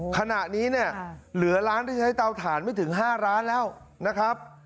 ขณะนี้เนี่ยเหลือร้านที่ใช้เตาถ่านไม่ถึง๕ร้านแล้วนะครับ